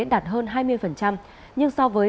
đạt hơn hai mươi nhưng so với